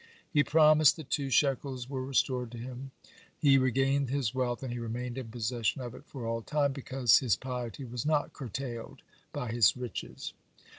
He promised, the two shekels were restored to him, he regained his wealth, and he remained in possession of it for all time, because his piety was not curtailed by his riches.